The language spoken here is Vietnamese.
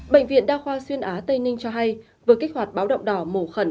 bệnh viện đa khoa xuyên á tây ninh cho hay vừa kích hoạt báo động đỏ mổ khẩn